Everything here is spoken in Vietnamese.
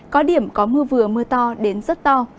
có điểm có mưa vừa mưa to đến rất to